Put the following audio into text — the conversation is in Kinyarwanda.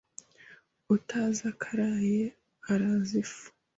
Utazi akaraye araza ifu